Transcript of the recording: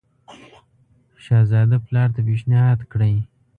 شهزاده پلار ته پېشنهاد کړی.